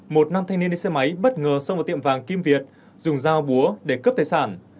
một nam thanh niên đi xe máy bất ngờ xông vào tiệm vàng kim việt dùng dao búa để cướp tài sản